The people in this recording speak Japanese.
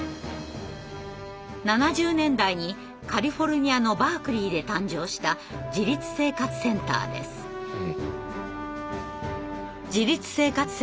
７０年代にカリフォルニアのバークリーで誕生した「自立生活センター」は障害者自身が運営する組織です。